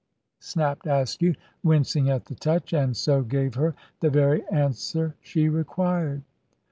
snapped Askew, wincing at the touch, and so gave her the very answer she required.